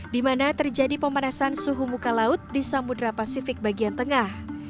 di mana terjadi pemanasan suhu muka laut di samudera pasifik bagian tengah